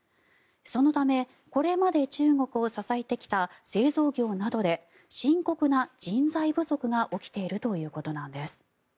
そのため、これまで中国を支えてきた製造業などで深刻な人材不足が起きているということなんです。